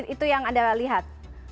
itu yang anda lihat